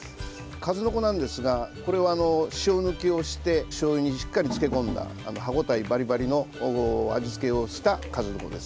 かずのこなんですがこれは塩抜きをしてしょうゆにしっかり漬け込んだ歯応えバリバリの味付けをしたかずのこです。